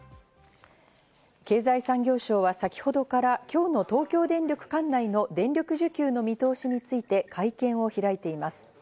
経済産業省は先ほどから今日の東京電力管内の電力需給の見通しについて会見を開いています。